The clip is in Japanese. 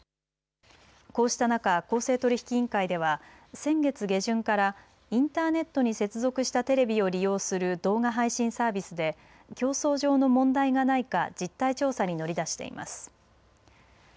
こうした中、公正取引委員会では先月下旬からインターネットに接続したテレビを利用する動画配信サービスで競争上の問題がないか実態調査に乗り出しています。